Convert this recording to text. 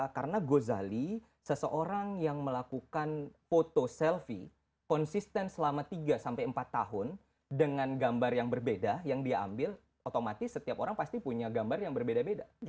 karena gozali seseorang yang melakukan foto selfie konsisten selama tiga sampai empat tahun dengan gambar yang berbeda yang dia ambil otomatis setiap orang pasti punya gambar yang berbeda beda